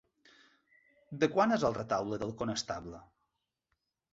De quan és el Retaule del Conestable?